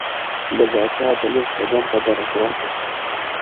د پاچا د لوڅ بدن خبره سره سوه-